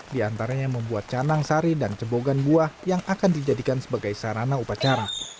di antaranya membuat canang sari dan cebogan buah yang akan dijadikan sebagai sarana upacara